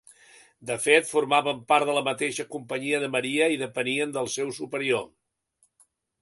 De fet, formaven part de la mateixa Companyia de Maria i depenien del seu superior.